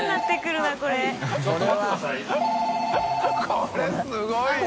これすごいよ！